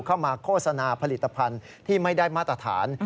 เข้ามาโฆษณาผลิตภัณฑ์ที่ไม่ได้มาตรฐาน